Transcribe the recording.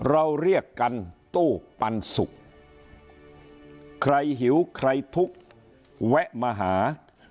เราเรียกกันตู้ปันสุกใครหิวใครทุกข์แวะมาหา